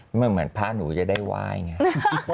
มันเหมือนพระหนูจะได้ว่ายอย่างนี้